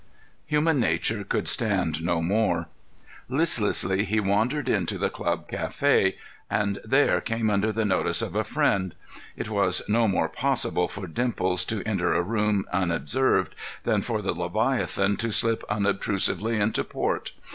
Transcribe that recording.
] Human nature could stand no more. Listlessly he wandered into the club café and there came under the notice of a friend. It was no more possible for Dimples to enter a room unobserved than for the Leviathan to slip unobtrusively into port.